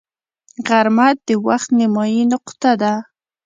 غرمه د وخت نیمايي نقطه ده